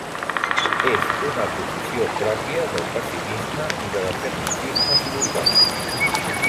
És una posició pròpia del pessimisme i de l'escepticisme filosòfic.